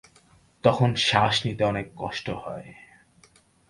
তখন শ্বাস নিতে অনেক কষ্ট হয়।